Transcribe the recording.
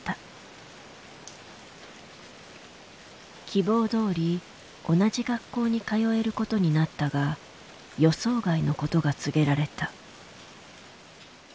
希望どおり同じ学校に通えることになったが予想外のことが告げられた。